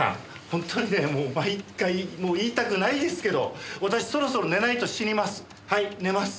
本当にねもう毎回言いたくないですけど私そろそろ寝ないと死にます。